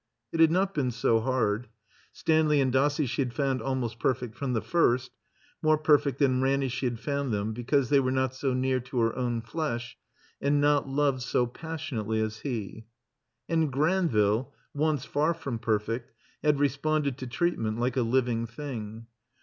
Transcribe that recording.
It had not been so hard. Stanley and Dossie she had found almost perfect from the first, more perfect than Ranny she had found them, because they were not so near to her own flesh, and not loved so passion ately as he. And Granville, once far from perfect, had re sponded to treatment like a living thing.